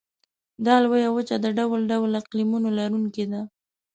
دا لویه وچه د ډول ډول اقلیمونو لرونکې ده.